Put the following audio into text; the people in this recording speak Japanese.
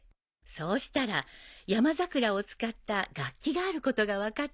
そうしたら山桜を使った楽器があることが分かって。